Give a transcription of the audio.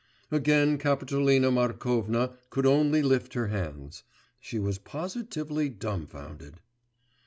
Again Kapitolina Markovna could only lift her hands; she was positively dumbfounded.